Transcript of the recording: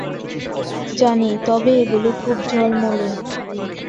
জানি, তবে ওগুলো বেশি ঝলমলে।